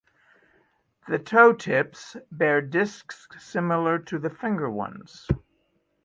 The toe tips bear discs similar to the finger ones.